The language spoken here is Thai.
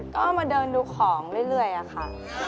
ก็มาเดินดูของเรื่อยค่ะ